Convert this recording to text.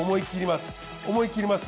思い切ります。